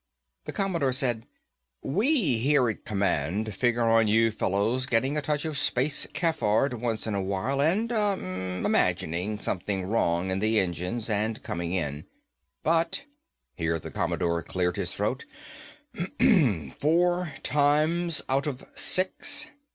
The Commodore said, "We, here at command, figure on you fellows getting a touch of space cafard once in a while and, ah, imagining something wrong in the engines and coming in. But," here the Commodore cleared his throat, "four times out of six?